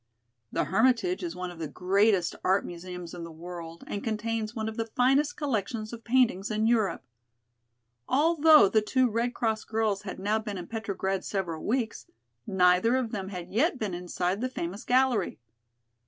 The Hermitage is one of the greatest art museums in the world and contains one of the finest collections of paintings in Europe. Although the two Red Cross girls had now been in Petrograd several weeks, neither of them had yet been inside the famous gallery.